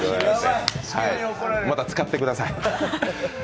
また使ってください。